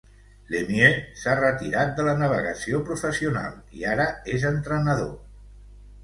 Lemieux s'ha retirat de la navegació professional i ara és entrenador.